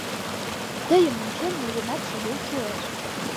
Тыйым ончен, мыйынат шыдем шуэш!..